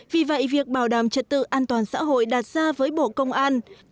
vì vậy việc bảo đảm trật tự an toàn xã hội đạt ra với bộ công an